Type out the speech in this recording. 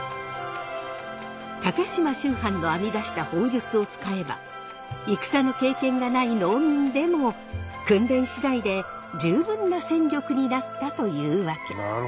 高島秋帆の編み出した砲術を使えば戦の経験がない農民でも訓練次第で十分な戦力になったというわけ。